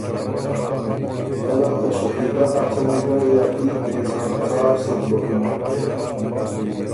دل ال ته شکیلۀ ا څمی ګۀ ݫاتي پېڅه څار سُک بُکِن